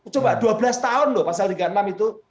coba dua belas tahun loh pasal tiga puluh enam itu